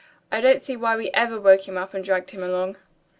"I don't see why we ever woke him up and dragged him along."